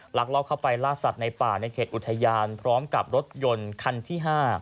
ลักลอบเข้าไปล่าสัตว์ในป่าในเขตอุทยานพร้อมกับรถยนต์คันที่๕